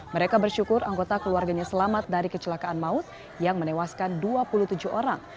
mereka bersyukur anggota keluarganya selamat dari kecelakaan maut yang menewaskan dua puluh tujuh orang